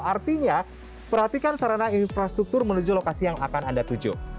artinya perhatikan sarana infrastruktur menuju lokasi yang akan anda tuju